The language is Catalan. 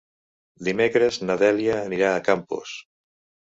Dimecres na Dèlia anirà a Campos.